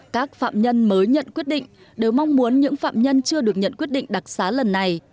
các phạm nhân mới nhận quyết định đều mong muốn những phạm nhân chưa được nhận quyết định đặc xá lần này